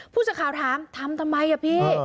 ผู้ชาวถามทำทำไมอะพี่